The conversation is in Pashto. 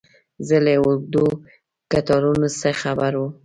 زه له اوږدو کتارونو څه خبر وم.